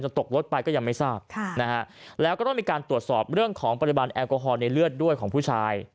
ตกรถไปก็ยังไม่ทราบค่ะนะฮะแล้วก็ต้องมีการตรวจสอบเรื่องของปริมาณแอลกอฮอลในเลือดด้วยของผู้ชาย